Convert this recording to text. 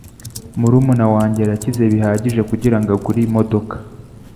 Murumuna wanjye arakize bihagije kugirango agure imodoka.